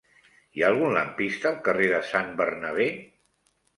Hi ha algun lampista al carrer de Sant Bernabé?